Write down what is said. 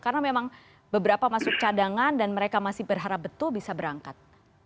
karena memang beberapa masuk cadangan dan mereka masih berharap betul bisa berangkat